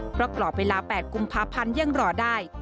เพราะกรอบเวลา๘กุมภาพันธ์ยังรอได้